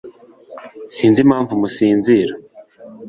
sinzi impamvu musinzira